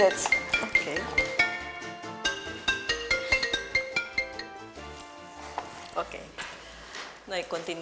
eh kok dimatikan sih